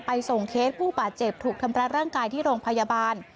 ส่งเคสผู้บาดเจ็บถูกทำร้ายร่างกายที่โรงพยาบาล